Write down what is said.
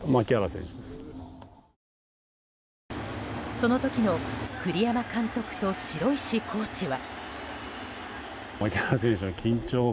その時の栗山監督と城石コーチは。